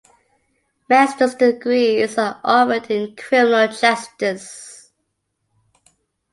Master's degrees are offered in Criminal Justice.